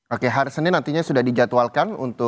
oke hari senin nantinya sudah dijadwalkan